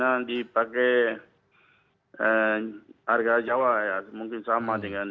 ya kasih tolong harga hampir sama dengan kanan ya kasih tolong harga hampir sama dengan kanan